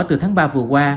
từ tháng ba vừa qua